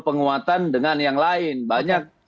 penguatan dengan yang lain banyak